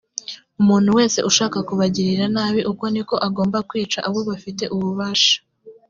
umuntu wese ushaka kubagirira nabi uko ni ko agomba kwicwa abo bafite ububasha